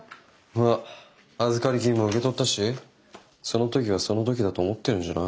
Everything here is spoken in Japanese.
まあ預かり金も受け取ったしその時はその時だと思ってるんじゃない？